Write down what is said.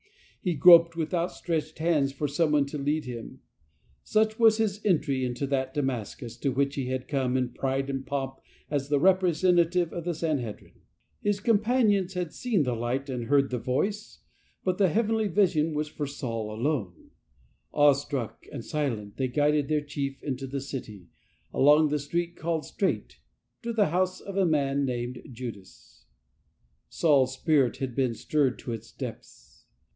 He groped with outstretched hands for someone to lead him. Such was his entry 20 20 LIFE OF ST. PAUL into that Damascus to which he had come in pride and pomp as the representative of the Sanhedrin. His companions had seen the light and heard'the voice, but the heavenly vision was for Saul alone. Awestruck and silent they guided their chief into the city, along the street called "Strait" to the house of a man named Judas. Saul's spirit had been stirred to its depths.